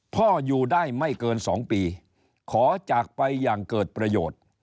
พ่ออยู่ได้ไม่เกิน๒ปีขอจากไปอย่างเกิดประโยชน์